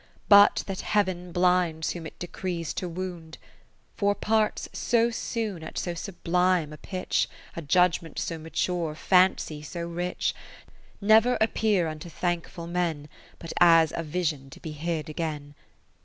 But that Heav'n blinds whom it decrees to wound. 40 For parts so soon at so sublime a pitch, A judgement so mature, fancy so rich. Never appear unto unthankful Men, But as a vision to be hid again.